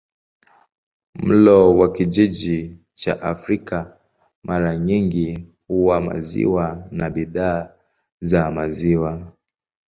Mlo wa kijiji cha Afrika mara nyingi huwa maziwa na bidhaa za maziwa.